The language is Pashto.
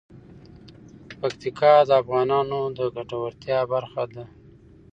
پکتیکا د افغانانو د ګټورتیا برخه ده.